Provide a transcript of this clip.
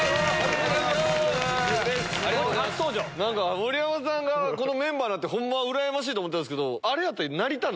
盛山さんがメンバーになってうらやましいと思ったけどあれやったら。